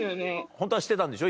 ホントはしてたんでしょ？